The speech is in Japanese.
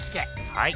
はい。